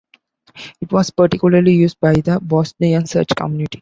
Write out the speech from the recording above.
It was particularly used by the Bosnian Church community.